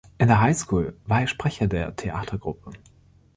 In der Highschool war er Sprecher der Theatergruppe.